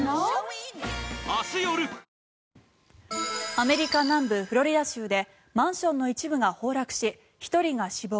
アメリカ南部フロリダ州でマンションの一部が崩落し１人が死亡